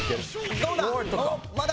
どうだ？